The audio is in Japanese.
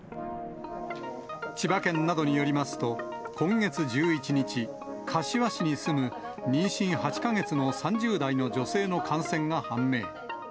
千葉県などによりますと、今月１１日、柏市に住む妊娠８か月の３０代の女性の感染が判明。